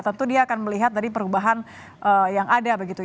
tentu dia akan melihat dari perubahan yang ada begitu